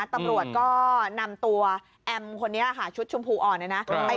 ตำรวจก็นำตัวแอมคนนี้ค่ะชุดชมพูอ่อนเนี่ยนะ